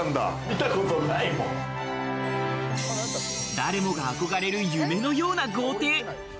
誰もが憧れる夢のような豪邸。